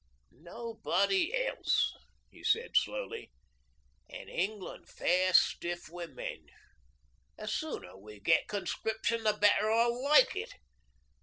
'Nobody else,' he said slowly, 'an' England fair stiff wi' men. ... The sooner we get Conscription, the better I'll like it.